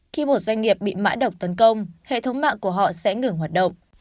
khi một doanh nghiệp bị mã độc tấn công hệ thống mạng của họ sẽ ngừng hoạt động